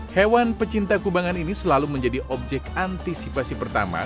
hewan pecinta kubangan ini selalu menjadi objek antisipasi pertama